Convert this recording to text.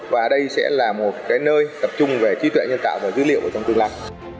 và đây sẽ là một nơi tập trung về trí tuệ nhân tạo và dữ liệu trong tương lai